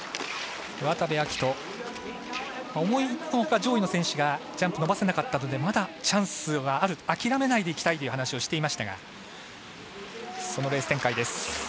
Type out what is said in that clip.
渡部暁斗思いのほうか上位の選手がジャンプ伸ばせなかったのでまだチャンスはある諦めないでいきたいと話をしていましたがそのレース展開です。